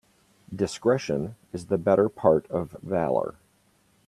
Discretion is the better part of valour.